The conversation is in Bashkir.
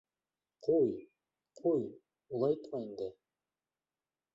— Ҡуй, ҡуй, улайтма инде.